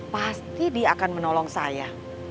pasti dia akan menolong saya